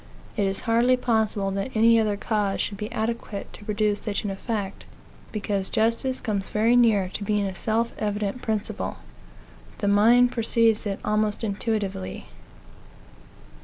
It is hardly possible that any other cause should be adequate to produce such an effect; because justice comes very near to being a self evident principle. The mind perceives it almost intuitively.